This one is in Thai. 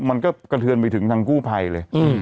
มันก็กระเทือนไปถึงทางกู้ภัยเลย